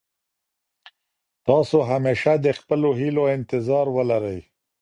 تاسو همېشه د خپلو هيلو انتظار ولرئ.